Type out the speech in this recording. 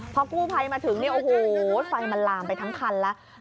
พอกู้ไพมาถึงโอ้โหไฟมันลามไปทั้งคันแล้ว